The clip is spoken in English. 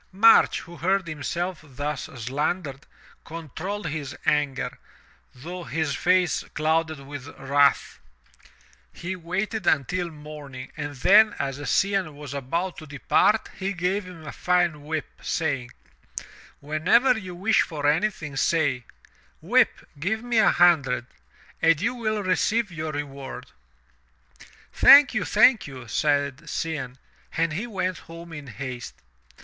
*' March, who heard himself thus slandered, controlled his anger, though his face clouded with wrath He waited until morning and then, as Cianne was about to depart, he gave him a fine whip, saying: "Whenever you wish for anything say: 'Whip, give me a hundred,' and you will receive your reward." "Thank you, thank you," said Cianne, and he went home in haste.